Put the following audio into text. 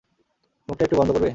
মুখটা একটু বন্ধ করবে?